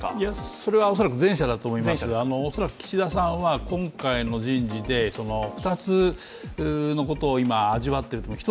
それは恐らく前者だと思います、恐らく岸田さんは今回の人事で、２つのことを今、味わっていると思います。